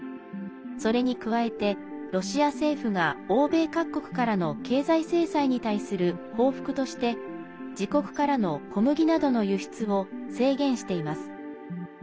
それに加えて、ロシア政府が欧米各国からの経済制裁に対する報復として、自国からの小麦などの輸出を制限しています。